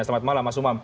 selamat malam mas umam